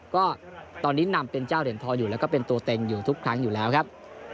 ก็ตอนนี้นำเป็นเจ้าเหรียญทองอยู่แล้วก็เป็นตัวเต็งอยู่ทุกครั้งอยู่แล้วครับ